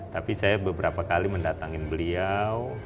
tapi saya beberapa kali mendatangin beliau